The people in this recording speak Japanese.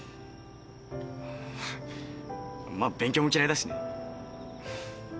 まっ勉強も嫌いだしね。